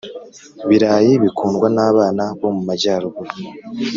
-birayi bikundwa nabana bo mumajyaruguru